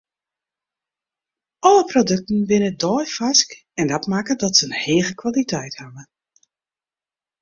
Alle produkten binne deifarsk en dat makket dat se in hege kwaliteit hawwe.